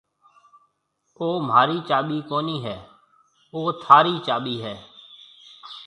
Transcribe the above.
او مهاري چاٻِي ڪونَي هيَ، او ٿارِي چاٻِي هيَ۔